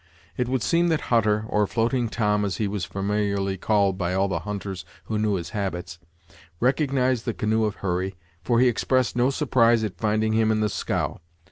It would seem that Hutter, or Floating Tom, as he was familiarly called by all the hunters who knew his habits, recognized the canoe of Hurry, for he expressed no surprise at finding him in the scow.